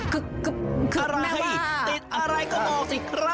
คือคือแม่บ้าอะไรติดอะไรก็บอกสิครับ